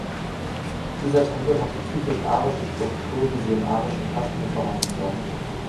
Dieser Tempel hat die typisch arische Struktur, wie sie im arischen Kaschmir vorhanden war.